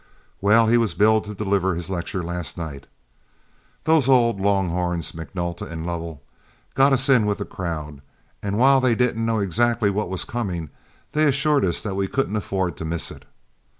"Well, he was billed to deliver his lecture last night. Those old long horns, McNulta and Lovell, got us in with the crowd, and while they didn't know exactly what was coming, they assured us that we couldn't afford to miss it.